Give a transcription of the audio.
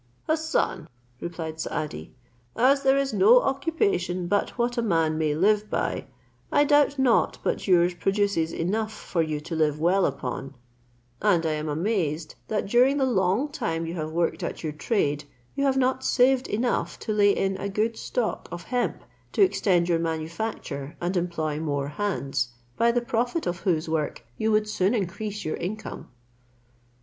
"Hassan," replied Saadi, "as there is no occupation but what a man may live by, I doubt not but yours produces enough for you to live well upon; and I am amazed, that during the long time you have worked at your trade, you have not saved enough to lay in a good stock of hemp to extend your manufacture and employ more hands, by the profit of whose work you would soon increase your income."